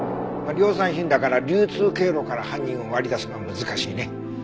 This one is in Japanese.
量産品だから流通経路から犯人を割り出すのは難しいね。